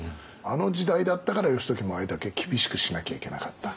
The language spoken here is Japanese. あの時代だったから義時もあれだけ厳しくしなきゃいけなかった。